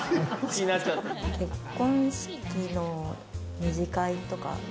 結婚式の二次会とか。